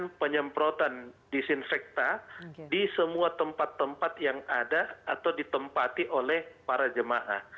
melakukan penyemprotan disinfekta di semua tempat tempat yang ada atau ditempati oleh para jemaah